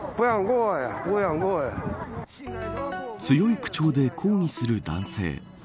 強い口調で抗議する男性。